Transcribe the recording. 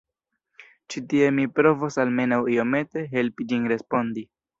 Ĉi tie mi provos almenaŭ iomete helpi ĝin respondi.